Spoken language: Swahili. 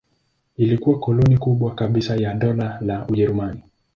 Ilikuwa koloni kubwa kabisa la Dola la Ujerumani.